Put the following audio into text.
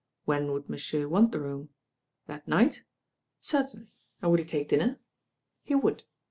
When would monsieur want the room? That night? Certainly, and would he take dinner? He would.